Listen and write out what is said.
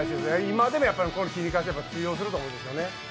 今でもこの切り返しは通用すると思うんですよね。